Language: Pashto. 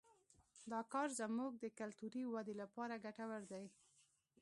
دا کار زموږ د کلتوري ودې لپاره ګټور دی